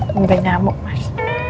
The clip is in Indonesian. minta nyamuk mas